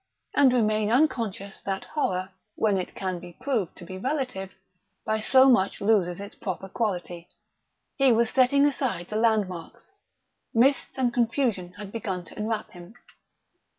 and remain unconscious that horror, when it can be proved to be relative, by so much loses its proper quality. He was setting aside the landmarks. Mists and confusion had begun to enwrap him.